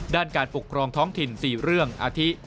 ด้านการปกครองท้องถิ่น๔เรื่องอาทิ